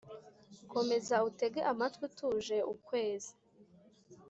komeza utege amatwi utuje ukwezi